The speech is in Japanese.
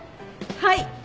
はい！